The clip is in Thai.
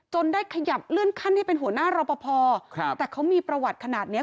ได้ขยับเลื่อนขั้นให้เป็นหัวหน้ารอปภครับแต่เขามีประวัติขนาดเนี้ย